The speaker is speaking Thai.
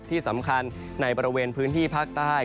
ที่สำคัญในบริเวณพื้นที่ภาคใต้